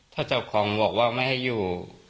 ถ้าเจ้าของบอกว่าไม่ให้อยู่